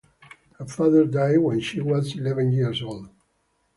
Her father died when she was eleven years old.